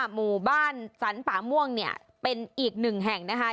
หมู่บ้านสรรป่าม่วงเนี่ยเป็นอีกหนึ่งแห่งนะคะ